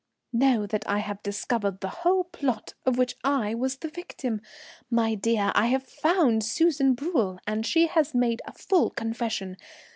"Know that I have discovered the whole plot of which I was the victim. My dear, I have found Susan Bruel, and she has made a full confession.